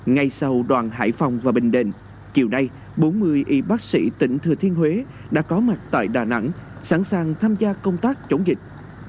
ngay sau đoàn hải phòng và bình định chiều nay bốn mươi y bác sĩ tỉnh thừa thiên huế đã có mặt tại đà nẵng sẵn sàng tham gia công tác chống dịch